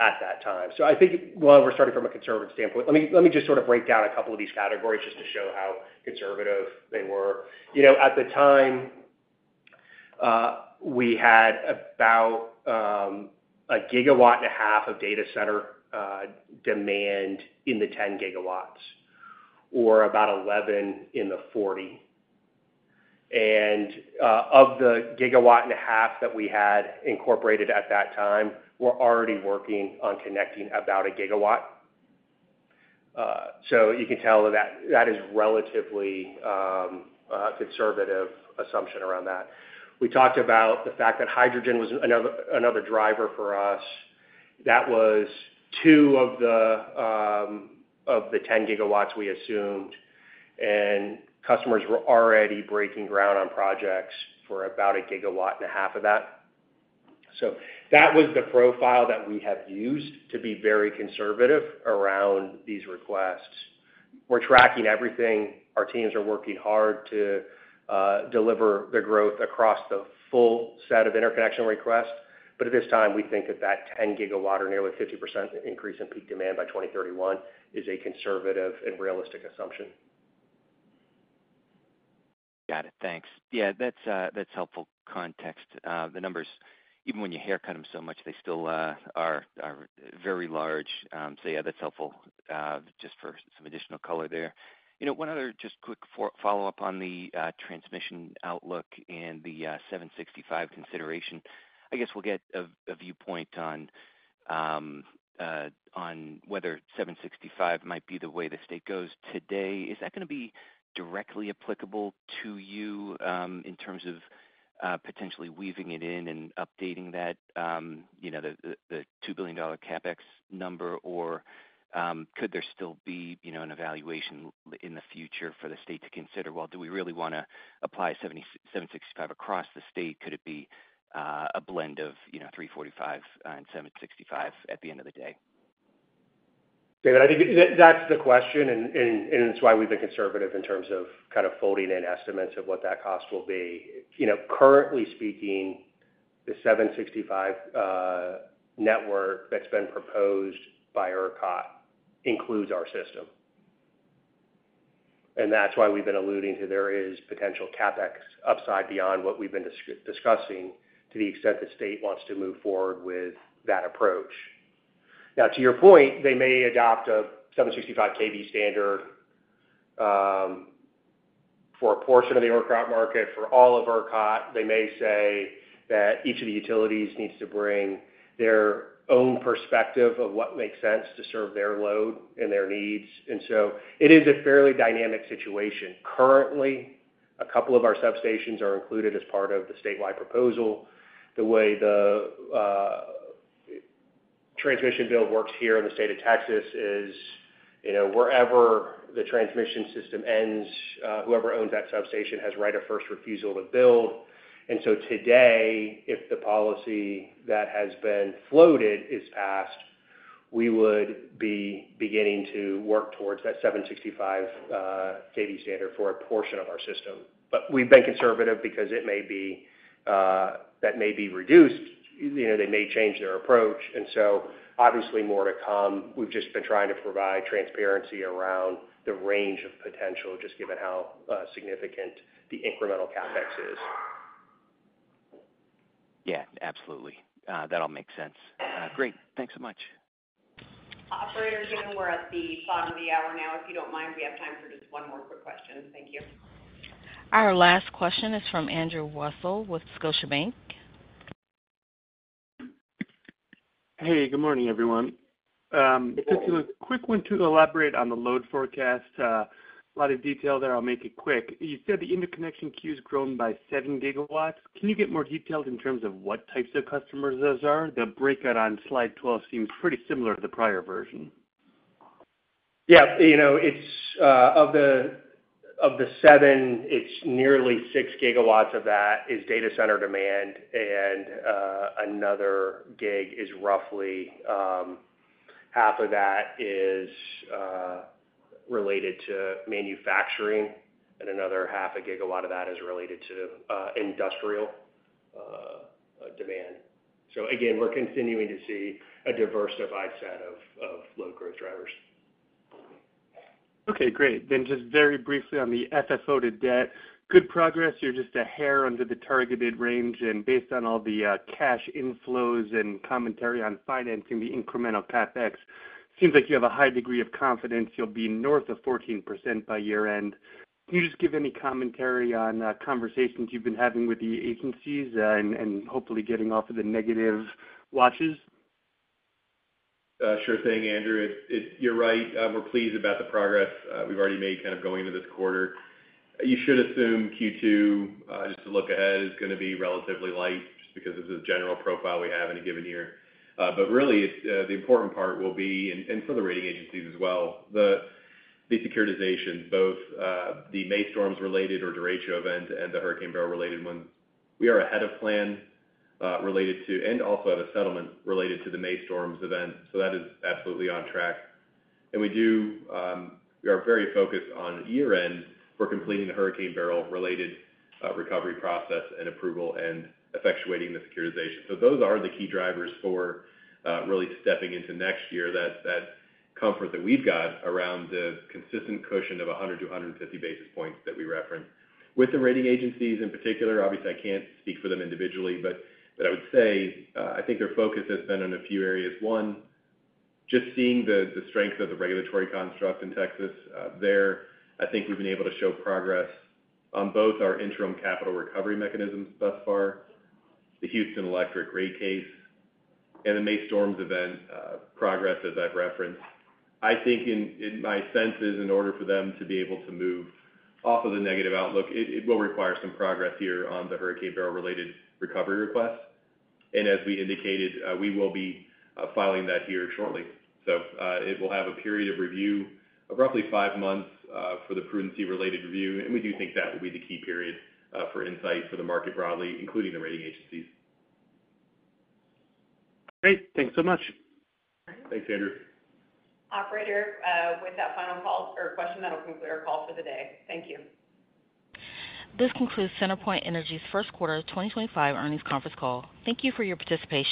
at that time. I think, well, we're starting from a conservative standpoint. Let me just sort of break down a couple of these categories just to show how conservative they were. At the time, we had about a GW and a half of data center demand in the 10 GWs or about 11 in the 40. Of the GW and a half that we had incorporated at that time, we're already working on connecting about a GW. You can tell that that is relatively a conservative assumption around that. We talked about the fact that hydrogen was another driver for us. That was two of the 10 GWs we assumed, and customers were already breaking ground on projects for about a GW and a half of that. That was the profile that we have used to be very conservative around these requests. We're tracking everything. Our teams are working hard to deliver the growth across the full set of interconnection requests. At this time, we think that that 10 GW or nearly 50% increase in peak demand by 2031 is a conservative and realistic assumption. Got it. Thanks. That's helpful context. The numbers, even when you haircut them so much, they still are very large. That's helpful just for some additional color there. One other just quick follow-up on the transmission outlook and the 765 consideration. I guess we'll get a viewpoint on whether 765 might be the way the state goes today. Is that going to be directly applicable to you in terms of potentially weaving it in and updating that, the $2 billion CapEx number? Could there still be an evaluation in the future for the state to consider, "Do we really want to apply 765 across the state? Could it be a blend of 345 and 765 at the end of the day?" David, I think that's the question, and it's why we've been conservative in terms of kind of folding in estimates of what that cost will be. Currently speaking, the 765 network that's been proposed by ERCOT includes our system. That's why we've been alluding to there is potential CapEx upside beyond what we've been discussing to the extent the state wants to move forward with that approach. Now, to your point, they may adopt a 765 kV standard for a portion of the ERCOT market. For all of ERCOT, they may say that each of the utilities needs to bring their own perspective of what makes sense to serve their load and their needs. It is a fairly dynamic situation. Currently, a couple of our substations are included as part of the statewide proposal. The way the transmission bill works here in the state of Texas is wherever the transmission system ends, whoever owns that substation has Right of First Refusal to build. Today, if the policy that has been floated is passed, we would be beginning to work towards that 765 kV standard for a portion of our system. We have been conservative because it may be that may be reduced. They may change their approach. Obviously, more to come. We've just been trying to provide transparency around the range of potential just given how significant the incremental CapEx is. Absolutely. That all makes sense. Great. Thanks so much. Operator, given we're at the bottom of the hour now, if you don't mind, we have time for just one more quick question. Thank you. Our last question is from Andrew Weisel with Scotiabank. Good morning, everyone. Just a quick one to elaborate on the load forecast. A lot of detail there. I'll make it quick. You said the interconnection queue has grown by 7 GWs. Can you get more detailed in terms of what types of customers those are? The breakout on slide 12 seems pretty similar to the prior version. Of the 7, it's nearly 6 GWs of that is data center demand. Another gig is roughly half of that is related to manufacturing, and another half a GW of that is related to industrial demand. We are continuing to see a diversified set of load growth drivers. Great. Just very briefly on the FFO to debt. Good progress. You are just a hair under the targeted range. Based on all the cash inflows and commentary on financing the incremental CapEx, it seems like you have a high degree of confidence you will be north of 14% by year-end. Can you give any commentary on conversations you have been having with the agencies and hopefully getting off of the negative watches? Sure thing, Andrew. You are right. We are pleased about the progress we have already made going into this quarter. You should assume Q2, just to look ahead, is going to be relatively light just because of the general profile we have in a given year. Really, the important part will be—and for the rating agencies as well—the desecuritization, both the May storms-related or Derecho event and the Hurricane Beryl-related ones. We are ahead of plan related to—and also have a settlement related to the May storms event. That is absolutely on track. We are very focused on year-end for completing the Hurricane Beryl-related recovery process and approval and effectuating the securitization. Those are the key drivers for really stepping into next year, that comfort that we've got around the consistent cushion of 100 to 150 basis points that we reference. With the rating agencies in particular, obviously, I can't speak for them individually, but I would say I think their focus has been on a few areas. One, just seeing the strength of the regulatory construct in Texas there, I think we've been able to show progress on both our interim capital recovery mechanisms thus far, the Houston Electric rate case, and the May storms event progress as I've referenced. I think in my senses, in order for them to be able to move off of the negative outlook, it will require some progress here on the Hurricane Beryl-related recovery request. As we indicated, we will be filing that here shortly. It will have a period of review of roughly five months for the prudency-related review. We do think that will be the key period for insight for the market broadly, including the rating agencies. Great. Thanks so much. Thanks, Andrew. Operator, with that final call or question, that'll conclude our call for the day. Thank you. This concludes CenterPoint Energy's First Quarter 2025 Earnings Conference Call. Thank you for your participation.